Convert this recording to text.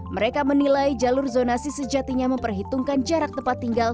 mereka menilai jalur zonasi sejatinya memperhitungkan jarak tempat tinggal